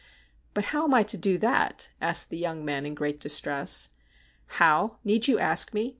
' But how am I to do that ?' asked the young man, in great distress. ' How ! Need you ask me